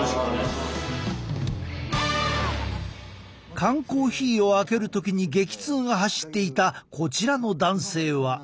缶コーヒーを開ける時に激痛が走っていたこちらの男性は。